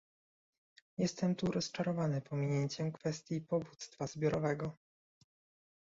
Jestem tu rozczarowany pominięciem kwestii powództwa zbiorowego